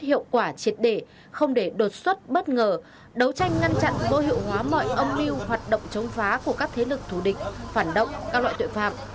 nhiều vụ việc được giải quyết hiệu quả triệt để không để đột xuất bất ngờ đấu tranh ngăn chặn vô hiệu hóa mọi âm mưu hoạt động chống phá của các thế lực thù địch phản động các loại tội phạm